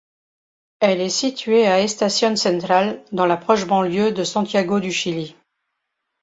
Elle est située à Estación central dans la proche banlieue de Santiago du Chili.